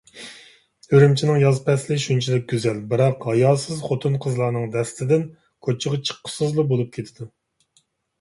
ئۈرۈمچىنىڭ ياز پەسلى شۇنچىلىك گۈزەل، بىراق ھاياسىز خوتۇن-قىزلارنىڭ دەستىدىن كوچىغا چىققۇسىزلا بولۇپ كېتىدۇ.